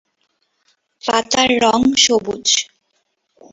পাতার রং সবুজ।